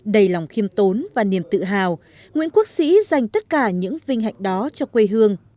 đầy lòng khiêm tốn và niềm tự hào nguyễn quốc sĩ dành tất cả những vinh hạnh đó cho quê hương